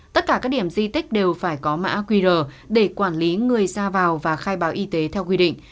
tất cả các điểm di tích đều phải có mã qr để quản lý người ra vào và khai báo y tế theo quy định